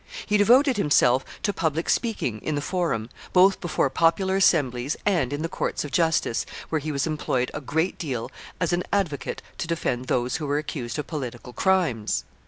He devoted himself to public speaking in the Forum, both before popular assemblies and in the courts of justice, where he was employed a great deal as an advocate to defend those who were accused of political crimes.